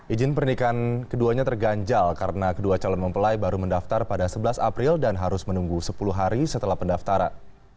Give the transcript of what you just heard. izin pernikahan keduanya terganjal karena kedua calon mempelai baru mendaftar pada sebelas april dan harus menunggu sepuluh hari setelah pendaftaran